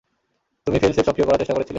তুমি ফেইল-সেফ সক্রিয় করার চেষ্টা করেছিলে?